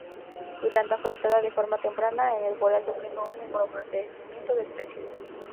Irlanda fue aislada de forma temprana en el Boreal, sufriendo un empobrecimiento de especies.